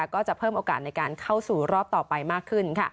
ก็จะเพิ่มโอกาสในการเข้าสู่รอบต่อไปมากขึ้น